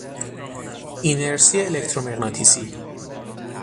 اینرسی الکترومغناطیسی